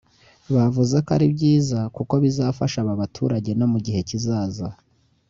bavuze ko ari byiza kuko bizafasha aba baturage no mu gihe kizaza